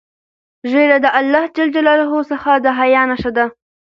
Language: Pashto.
ږیره د الله جل جلاله څخه د حیا نښه ده.